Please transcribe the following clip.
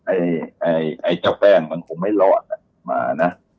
ไอ้เจ้าแป้งมันคงไม่รอดมานะ